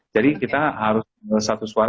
jadi kita harus satu suara